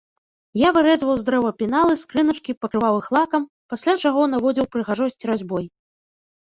Я вырэзваў з дрэва пеналы, скрыначкі, пакрываў іх лакам, пасля чаго наводзіў прыгажосць разьбой.